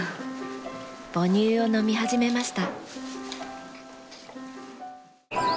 母乳を飲み始めました。